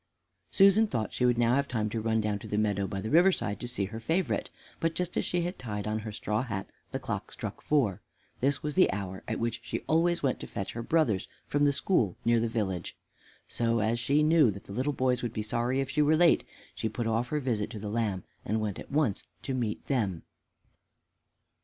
Susan thought she would now have time to run down to the meadow by the river side to see her favorite, but just as she had tied on her straw hat the clock struck four. This was the hour at which she always went to fetch her brothers from the school near the village. So, as she knew that the little boys would be sorry if she were late, she put off her visit to the lamb and went at once to meet them.